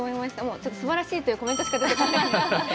ちょっとすばらしいというコメントしか出てこない。